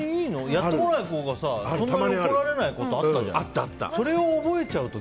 やってこない子がそんなに怒られないことあったじゃん。